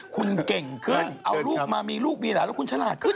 คุณเก่งขึ้นเอาลูกมามีลูกมีหลานแล้วคุณฉลาดขึ้น